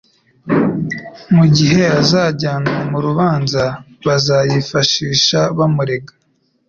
Mu gihe azajyanwa mu rubanza bazayifashisha bamurega;